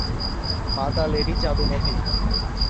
Mata lady যাদুমতী।